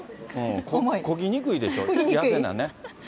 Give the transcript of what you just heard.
漕ぎにくいでしょ、痩せなね。